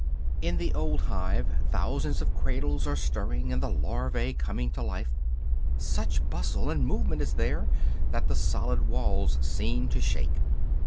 In the old hive thousands of cradles are stirring and the larvæ coming to life; such bustle and movement is there that the solid walls seem to shake.